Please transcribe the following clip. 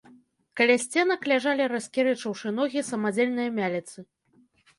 Каля сценак ляжалі, раскірэчыўшы ногі, самадзельныя мяліцы.